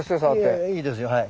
いやいいですよはい。